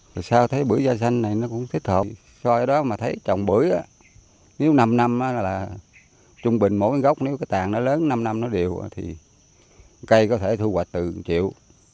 rồi sao thấy bưởi da xanh này nó cũng thích hợp so với đó mà thấy trồng bưởi đó nếu năm năm là trung bình mỗi cái gốc nếu cái tàn nó lớn năm năm nó đều thì cây có thể thu hoạch từ triệu